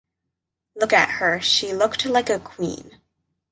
Look at her. She looked like a queen.